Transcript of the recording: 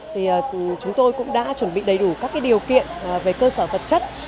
thì chúng tôi cũng đã chuẩn bị đầy đủ các điều kiện về cơ sở vật chất